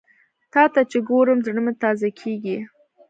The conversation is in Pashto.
تاته چې ګورم، زړه مې تازه شي